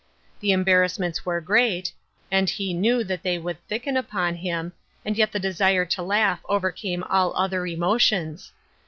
The embarrassments were great, and he knew that they would thicken upon him, and yet the desire to laugh overcame all other emo tions.